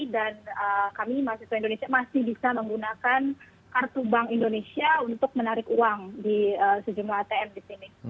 dan kami masih bisa menggunakan kartu bank indonesia untuk menarik uang di sejumlah atm di sini